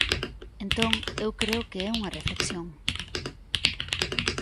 Entón, eu creo que é unha reflexión.